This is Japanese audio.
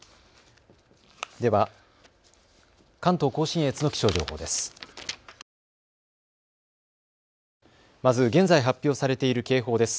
では、関東甲信越の気象情報です。